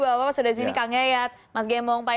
bapak bapak sudah di sini kang yayat mas gemong